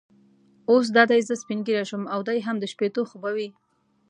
اوس دا دی زه سپینږیری شوم او دی هم د شپېتو خو به وي.